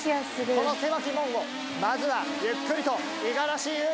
この狭き門をまずはゆっくりと五十嵐裕也さん。